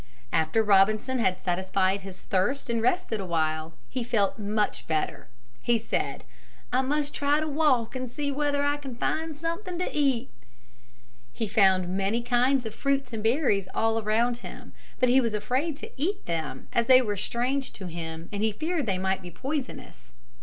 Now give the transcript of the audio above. After Robinson had satisfied his thirst and rested awhile, he felt much better. He said, "I must try to walk and see whether I can find something to eat." He found many kinds of fruits and berries all around him, but he was afraid to eat them, as they were strange to him and he feared they might be poisonous.